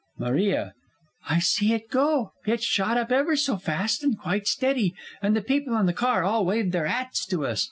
MARIA. I see it go it shot up ever so fast and quite steady, and the people in the car all waved their 'ats to us.